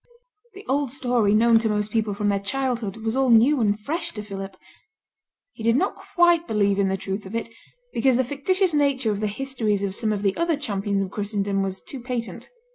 The old story known to most people from their childhood was all new and fresh to Philip. He did not quite believe in the truth of it, because the fictitious nature of the histories of some of the other Champions of Christendom was too patent.